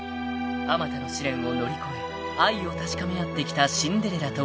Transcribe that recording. ［あまたの試練を乗り越え愛を確かめ合ってきたシンデレラと王子様］